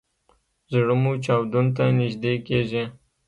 زړه مو چاودون ته نږدې کیږي